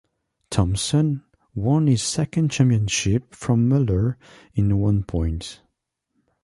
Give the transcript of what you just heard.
Thompson won his second championship from Muller by one point.